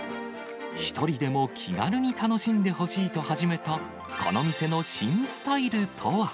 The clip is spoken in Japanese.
１人でも気軽に楽しんでほしいと始めた、この店の新スタイル